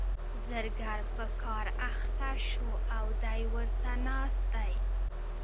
زرګر په کار اخته شو او دی ورته ناست دی.